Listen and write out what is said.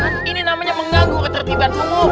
jangan ini namanya mengganggu keterbitan umum